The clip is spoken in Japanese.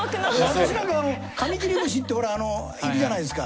私なんかはカミキリムシってほらあのいるじゃないですか。